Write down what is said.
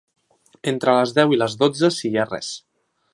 Entre les deu i les dotze si hi ha res.